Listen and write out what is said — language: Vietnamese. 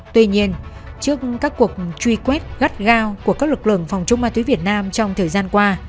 tuy nhiên trước các cuộc truy quét gắt gao của các lực lượng phòng chống ma túy việt nam trong thời gian qua